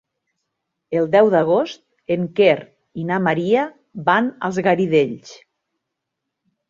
El deu d'agost en Quer i na Maria van als Garidells.